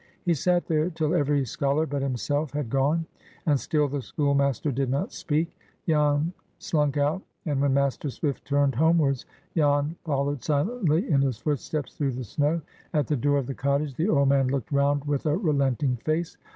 He sat there till every scholar but himself had gone, and still the schoolmaster did not speak. Jan slunk out, and when Master Swift turned homewards Jan followed silently in his footsteps through the snow. At the door of the cottage, the old man looked round with a relenting face.